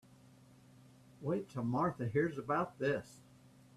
Wait till Martha hears about this.